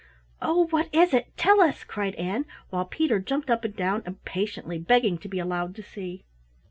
"Oh, what is it, tell us," cried Ann, while Peter jumped up and down impatiently, begging to be allowed to see.